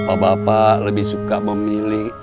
bapak bapak lebih suka memilih